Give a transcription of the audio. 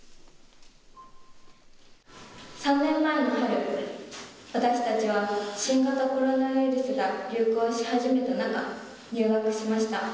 ３年前の春、私たちは新型コロナウイルスが流行し始めた中、入学しました。